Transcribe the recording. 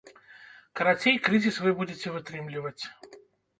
Карацей, крызіс вы будзеце вытрымліваць.